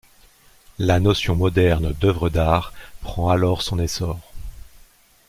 La notion moderne d'œuvre d'art prend alors son essor.